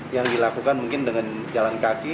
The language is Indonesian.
yang dilakukan mungkin dengan jalan kaki